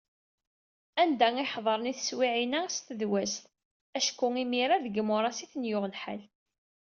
Anda i ḥeḍren i teswiɛin-a s tedwast, acku imir-a deg yimuras i ten-yuɣ lḥal.